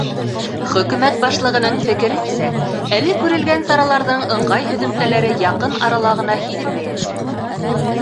Хөкүмәт башлығының фекеренсә, әле күрелгән сараларҙың ыңғай һөҙөмтәләре яҡын арала ғына һиҙелмәйәсәк.